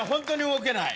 動けない！